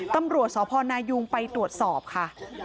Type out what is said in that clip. ตำรวจสพนายุงไปตรวจสอบค่ะ